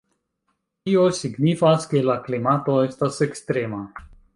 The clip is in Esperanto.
Tio signifas ke la klimato estas ekstrema.